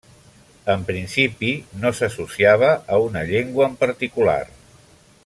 En principi, no s'associava a una llengua en particular.